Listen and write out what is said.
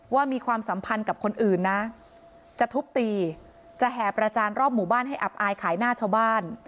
มีความสัมพันธ์กับคนอื่นนะจะทุบตีจะแห่ประจานรอบหมู่บ้านให้อับอายขายหน้าชาวบ้าน